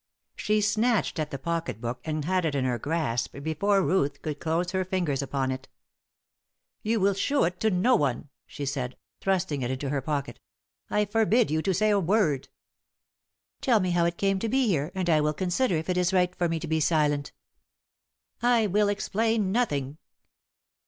She snatched at the pocket book and had it in her grasp before Ruth could close her fingers upon it. "You will shew it to no one," she said, thrusting it into her pocket. "I forbid you to say a word." "Tell me how it came to be here, and I will consider if it is right for me to be silent." "I will explain nothing.